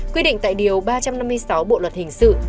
quy định tại điều ba trăm năm mươi sáu bộ luật hình sự